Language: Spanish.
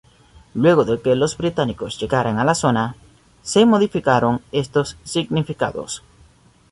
Luego de que los británicos llegaran a la zona, se modificaron estos significados.